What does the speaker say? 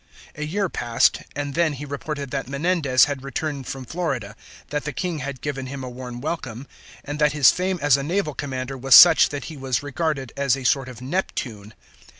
A year passed, and then he reported that Menendez had returned from Florida, that the King had given him a warm welcome, and that his fame as a naval commander was such that he was regarded as a sort of Neptune.